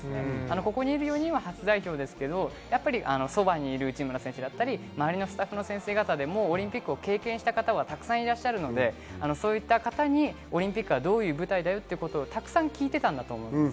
ここにいる４人は初代表ですが、そばにいる内村選手、周りのスタッフの先生方、オリンピックを経験した方はたくさんいらっしゃるので、そういった方にオリンピックはこういう舞台だよと、たくさん聞いていたんだと思います。